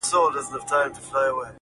یا مرور دی له تعبیره قسمت٫